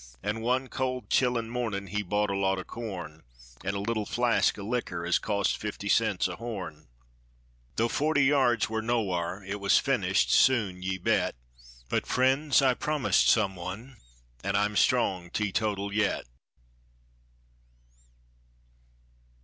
An' one cold chilly mornin' he bought a lot o' corn, An' a little flask o' likker, as cost fifty cents a horn. Tho' forty yards war nowhar, it was finished soon, ye bet; But, friends, I promised some one, and I'm strong teetotal yet.